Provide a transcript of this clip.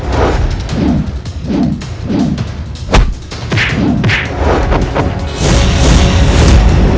dan menakutkan aku